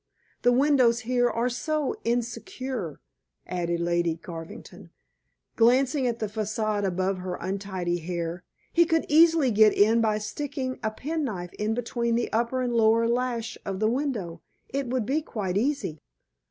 The windows here are so insecure," added Lady Garvington, glancing at the facade above her untidy hair. "He could easily get in by sticking a penknife in between the upper and lower sash of the window. It would be quite easy."